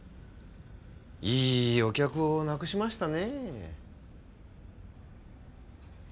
いいお客をなくしましたね。